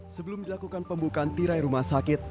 sebelum dilakukan pembukaan tirai rumah sakit